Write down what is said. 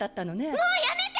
もうやめて！！